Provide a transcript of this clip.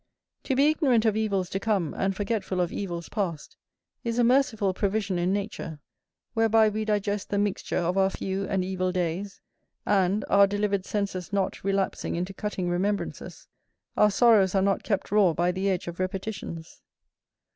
To be ignorant of evils to come, and forgetful of evils past, is a merciful provision in nature, whereby we digest the mixture of our few and evil days, and, our delivered senses not relapsing into cutting remembrances, our sorrows are not kept raw by the edge of repetitions.